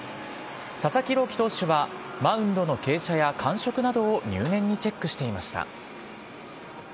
佐々木朗希投手は、マウンドの傾斜や感触などを入念にチェックしていました。